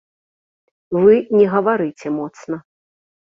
Вы не гаварыце моцна.